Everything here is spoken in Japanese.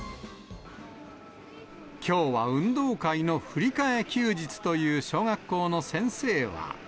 きょうは運動会の振り替え休日という小学校の先生は。